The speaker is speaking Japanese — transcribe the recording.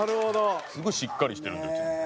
すごいしっかりしてるんでうちの。